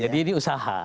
jadi ini usaha